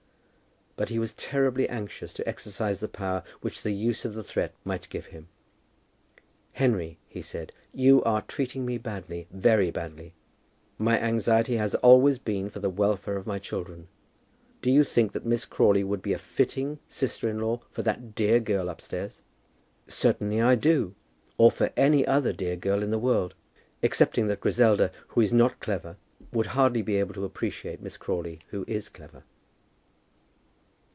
But he was terribly anxious to exercise the power which the use of the threat might give him. "Henry," he said, "you are treating me badly, very badly. My anxiety has always been for the welfare of my children. Do you think that Miss Crawley would be a fitting sister in law for that dear girl upstairs?" "Certainly I do, or for any other dear girl in the world; excepting that Griselda, who is not clever, would hardly be able to appreciate Miss Crawley, who is clever."